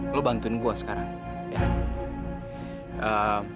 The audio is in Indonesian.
lo bantuin gue sekarang ya